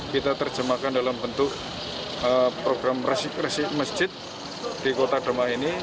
kita terjemahkan dalam bentuk program resik resik masjid di kota demak ini